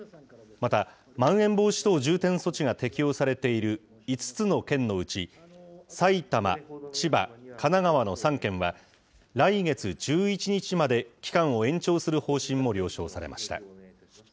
また、まん延防止等重点措置が適用されている５つの県のうち、埼玉、千葉、神奈川の３県は、来月１１日まで期間を延長する方針も了承されました。